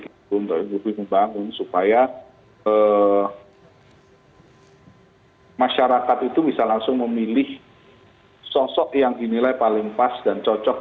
untuk membangun supaya masyarakat itu bisa langsung memilih sosok yang dinilai paling pas dan cocok